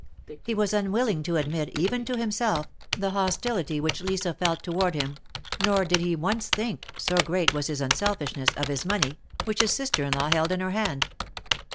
He was unwilling to admit, even to himself, the hostility which Lisa felt toward him, nor did he once think, so great was his unselfishness, of his money, which his sister in law held in her hand.